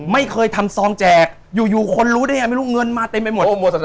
ไม่เคยทำซองแจกอยู่คนรู้ได้ไงไม่รู้เงินมาเต็มไปหมด